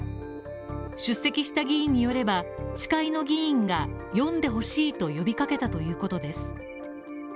出席した議員によれば、司会の議員が読んでほしいと呼びかけたということです。